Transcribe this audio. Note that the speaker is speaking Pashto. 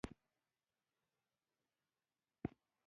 د ښوونځیو د جوړولو او پوستې په برخه کې.